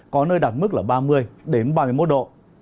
có nơi đạt mức là ba mươi đến ba mươi một độ